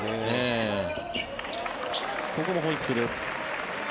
ここもホイッスル。